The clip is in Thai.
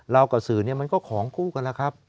กับสื่อเนี่ยมันก็ของคู่กันแล้วครับ